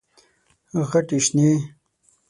غټي شنې،